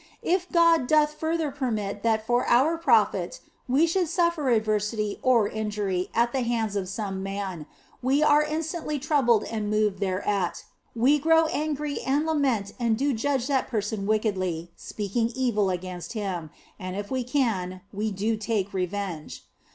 If God doth further permit that for our profit we should suffer adversity or injury at the hands of some man, we are instantly troubled and moved thereat, we grow angry and lament and do judge that person wickedly, speaking evil against him, and if we can, we do take revenge.